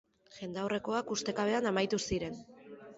Jendaurrekoak ustekabean amaitu ziren.